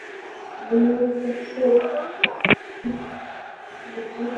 মনে হচ্ছে কোনো কন্ডমে বোতাম লাগানো রয়েছে।